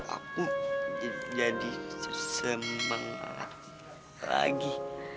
aku jadi sesemangat lagi